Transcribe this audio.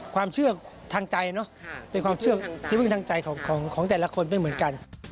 ความเชื่อทางใจเนอะเป็นความเชื่อที่พึ่งทางใจของแต่ละคนไม่เหมือนกัน